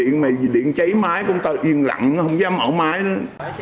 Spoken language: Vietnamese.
nó điện cháy máy con ta yên lặng không dám mở máy nữa